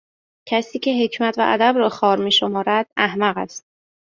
کسی که حکمت و ادب را خوار میشمارد احمق است